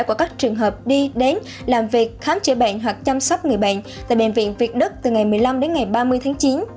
của các trường hợp đi đến làm việc khám chữa bệnh hoặc chăm sóc người bệnh tại bệnh viện việt đức từ ngày một mươi năm đến ngày ba mươi tháng chín